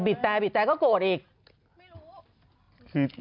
บิดแต่ก็โกรธอีก